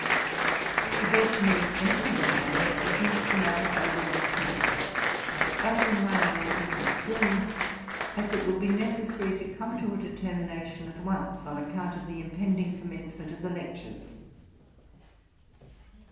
'He begged me, in a friendly manner, to think the matter over once more, and to open my mind to him soon; as it would be necessary to come to a determination at once, on account of the impending com mencement of the lectures.